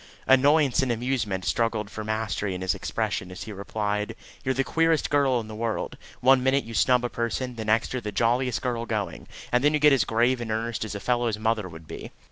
Annoyance and amusement struggled for mastery in his expression as he replied: "You're the queerest girl in the world. One minute you snub a person, the next you are the jolliest girl going, and then you get as grave and earnest as a fellow's mother would be."